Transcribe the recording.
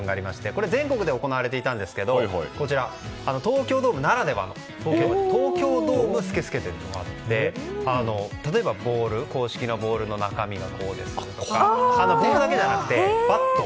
これは全国で行われていたんですけれども東京ドームならではのトウキョウドームスケスケというものがあって例えば硬式ボールの中身ですとかボールだけじゃなくて、バット。